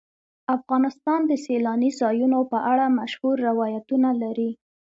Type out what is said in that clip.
افغانستان د سیلاني ځایونو په اړه مشهور روایتونه لري.